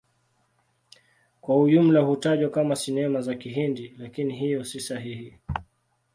Kwa ujumla hutajwa kama Sinema za Kihindi, lakini hiyo si sahihi.